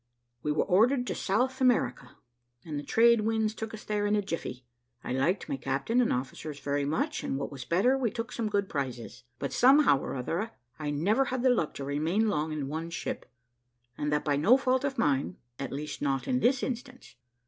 We were ordered to South America; and the trade winds took us there in a jiffy. I liked my captain and officers very much, and what was better, we took some good prizes. But somehow or other, I never had the luck to remain long in one ship, and that by no fault of mine; at least not in this instance.